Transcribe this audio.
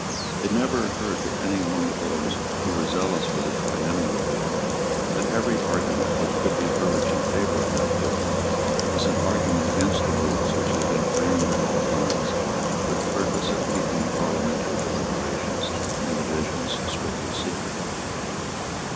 It never occurred to any one of those who were zealous for the Triennial Bill that every argument which could be urged in favour of that bill was an argument against the rules which had been framed in old times for the purpose of keeping parliamentary deliberations and divisions strictly secret.